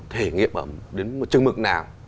thể nghiệm đến một chương mực nào